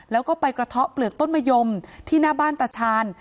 แล้วก็ไปกระเทาะเปลือกต้นมะยมที่หน้าบ้านตาชาญ